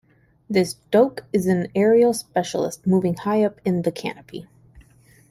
This douc is an aerial specialist, moving high up in the canopy.